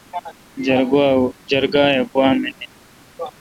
جرگہ گوا منین۔